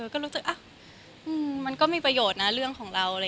ก็รู้สึกมันก็มีประโยชน์นะเรื่องของเรา